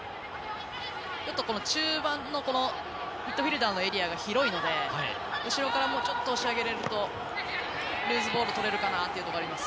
この中盤のミッドフィールダーのエリアが広いので、後ろからもうちょっと押し上げられると、ルーズボールとれるかなというのがあります。